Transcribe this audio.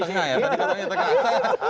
tadi katanya di tengah ya